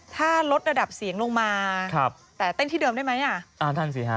ถ้ารดระดับเสียงลงมาแต่เต้นที่เดิมได้ไหม